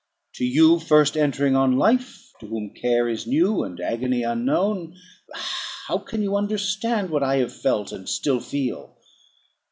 To you first entering on life, to whom care is new, and agony unknown, how can you understand what I have felt, and still feel?